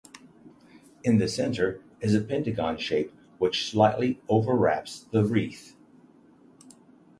In the center is a pentagon shape which slightly overlaps the wreath.